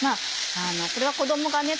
これは子供がね